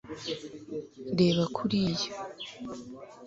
reba kuriya